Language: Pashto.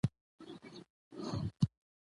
زه ښکاري یم زه به دام څنګه پلورمه